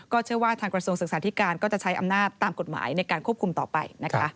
เชื่อว่าทางกระทรวงศึกษาธิการก็จะใช้อำนาจตามกฎหมายในการควบคุมต่อไปนะคะ